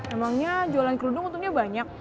emangnya jualan kerudung untungnya banyak